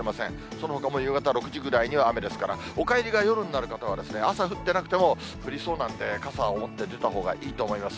そのほかも夕方６時ぐらいには雨ですから、お帰りが夜になる方はですね、朝降ってなくても、降りそうなんで、傘を持って出たほうがいいと思います。